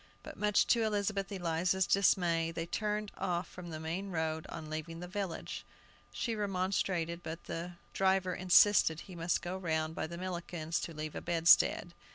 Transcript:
But much to Elizabeth Eliza's dismay, they turned off from the main road on leaving the village. She remonstrated, but the driver insisted he must go round by Millikin's to leave a bedstead.